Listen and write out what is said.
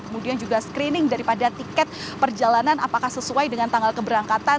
kemudian juga screening daripada tiket perjalanan apakah sesuai dengan tanggal keberangkatan